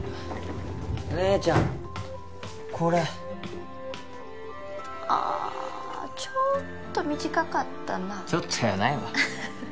姉ちゃんこれああちょっと短かったなちょっとやないわウッフフ